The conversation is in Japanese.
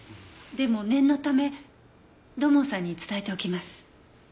でも念のため土門さんに伝えておきます。